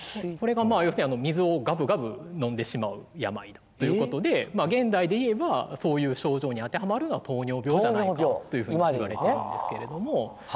これが要するに水をがぶがぶ飲んでしまう病だということで現代で言えばそういう症状に当てはまるのは糖尿病じゃないかというふうにいわれているんですけれども。